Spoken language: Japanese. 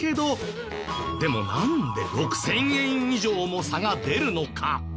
でもなんで６０００円以上も差が出るのか？